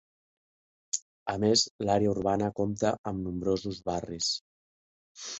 A més l'àrea urbana compta amb nombrosos barris.